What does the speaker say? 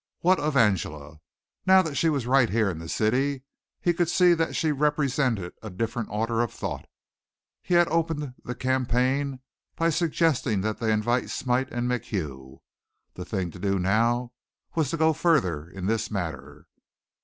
What of Angela? Now that she was right here in the city he could see that she represented a different order of thought. He had opened the campaign by suggesting that they invite Smite and MacHugh. The thing to do now was to go further in this matter.